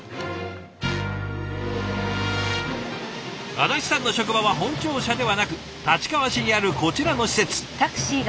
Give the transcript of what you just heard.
安達さんの職場は本庁舎ではなく立川市にあるこちらの施設。